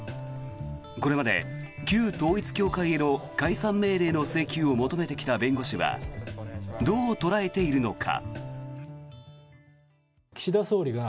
これまで旧統一教会への解散命令の請求を求めてきた弁護士はどう捉えているのか。